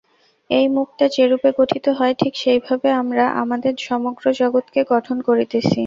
এই মুক্তা যেরূপে গঠিত হয়, ঠিক সেইভাবে আমরা আমাদের সমগ্র জগৎকে গঠন করিতেছি।